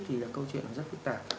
thì là câu chuyện rất phức tạp